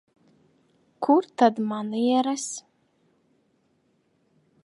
Kur tad manieres?